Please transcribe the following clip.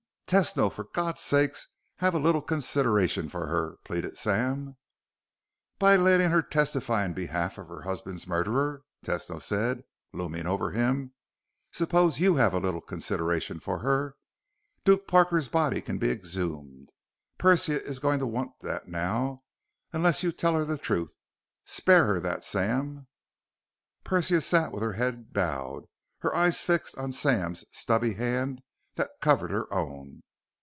"Tesno, for god's sake, have a little consideration for her!" pleaded Sam. "By letting her testify in behalf of her husband's murderer?" Tesno said, looming over him. "Suppose you have a little consideration for her! Duke Parker's body can be exhumed. Persia is going to want that now, unless you tell her the truth. Spare her that, Sam." Persia sat with her head bowed, her eyes fixed on Sam's stubby hand that covered her own.